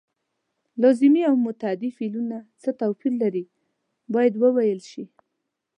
لازمي او متعدي فعلونه څه توپیر لري باید وویل شي.